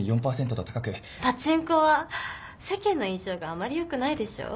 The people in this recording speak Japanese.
パチンコは世間の印象があまり良くないでしょう？